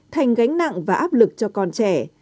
thành gánh nặng và áp lực cho con trẻ